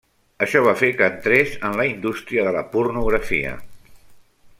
Això va fer que entrés en la indústria de la pornografia.